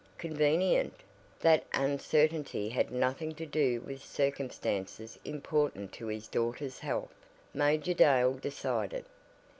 Convenient? That uncertainty had nothing to do with circumstances important to his daughter's health, Major Dale decided.